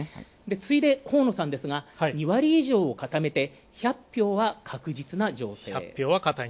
次いで河野さんですが固めて、１００票は確実な情勢。